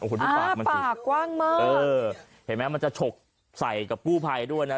โอ้โหดูปากมันสิปากกว้างมากเออเห็นไหมมันจะฉกใส่กับกู้ภัยด้วยนะ